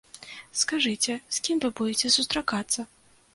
Скажыце, з кім вы будзеце сустракацца?